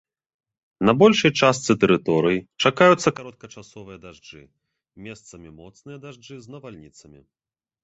На большай частцы тэрыторыі чакаюцца кароткачасовыя дажджы, месцамі моцныя дажджы з навальніцамі.